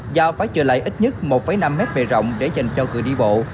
do phải chờ lại ít nhất một năm mét về rộng để dành cho cửa đi bộ